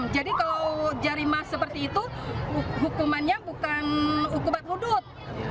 jadi kalau jarima seperti itu hukumannya bukan hukum batudut